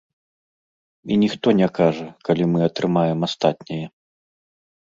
І ніхто не кажа, калі мы атрымаем астатняе.